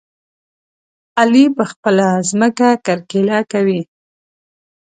علي په خپله ځمکه کرکيله کوي.